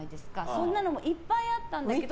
そんなのもいっぱいあったんだけど。